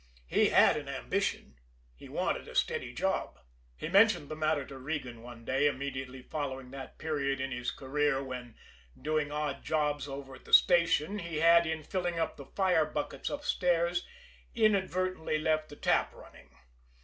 He had an ambition he wanted a steady job. He mentioned the matter to Regan one day immediately following that period in his career when, doing odd jobs over at the station, he had, in filling up the fire buckets upstairs, inadvertently left the tap running.